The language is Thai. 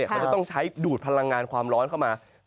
เขาจะต้องใช้ดูดพลังงานความร้อนเข้ามา